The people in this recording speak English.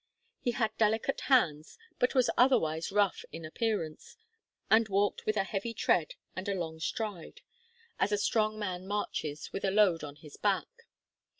He had delicate hands, but was otherwise rough in appearance, and walked with a heavy tread and a long stride, as a strong man marches with a load on his back.